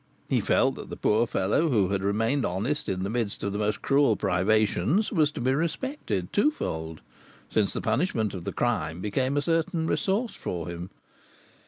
He felt that the poor fellow who had remained honest in the midst of the most cruel privations was to be respected twofold, since the punishment of the crime became a certain resource for him.